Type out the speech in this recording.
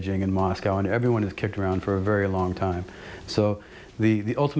คือว่าเขาอยากการปลดอาวุธ